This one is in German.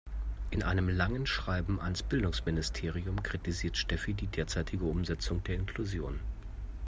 In einem langen Schreiben ans Bildungsministerium kritisiert Steffi die derzeitige Umsetzung der Inklusion.